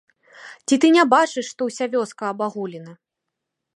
Ці ты не бачыш, што ўся вёска абагулена?